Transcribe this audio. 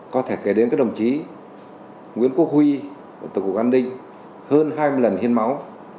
có thể kể đến các đồng chí nguyễn quốc huy tổng cục an ninh hơn hai mươi lần hiến máu